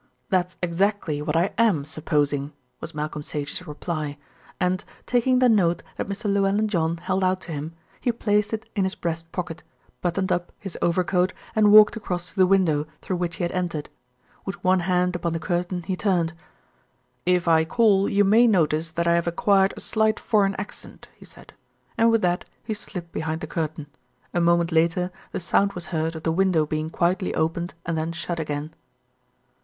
"That's exactly what I am supposing," was Malcolm Sage's reply and, taking the note that Mr. Llewellyn John held out to him, he placed it in his breast pocket, buttoned up his overcoat, and walked across to the window through which he had entered. With one hand upon the curtain he turned. "If I call you may notice that I have acquired a slight foreign accent," he said, and with that he slipped behind the curtain. A moment later the sound was heard of the window being quietly opened and then shut again.